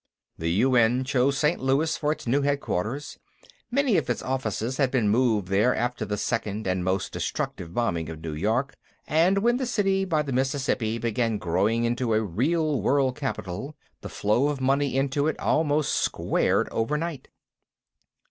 The UN chose St. Louis for its new headquarters many of its offices had been moved there after the second and most destructive bombing of New York and when the city by the Mississippi began growing into a real World Capital, the flow of money into it almost squared overnight.